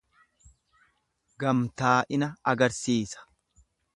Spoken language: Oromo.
Gamtaa'ina agarsiisa.